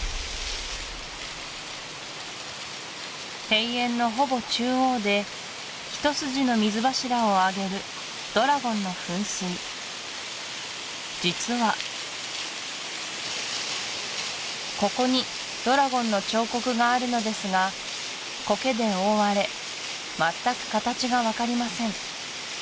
庭園のほぼ中央で一筋の水柱を上げるドラゴンの噴水実はここにドラゴンの彫刻があるのですがコケで覆われ全く形が分かりません